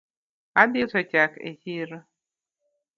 Adhi uso chak e chiro